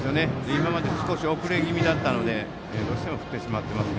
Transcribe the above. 今まで少し遅れ気味だったのでどうしても振ってしまっています。